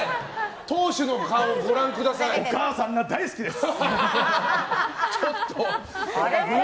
お母さんが大好きです！